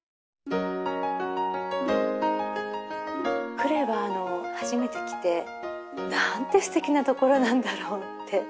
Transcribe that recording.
呉は初めて来て何てすてきな所なんだろうって。